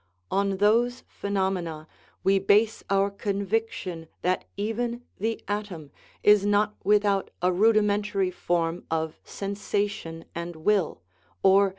On those phenom ena we base our conviction that even the atom is not without a rudimentary form of sensation and will, or.